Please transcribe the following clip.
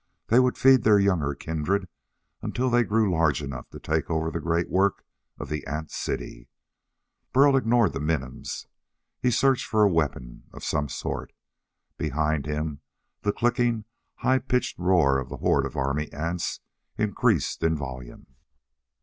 They would feed their younger kindred until they grew large enough to take over the great work of the ant city. Burl ignored the minims. He searched for a weapon of some sort. Behind him the clicking, high pitched roar of the horde of army ants increased in volume.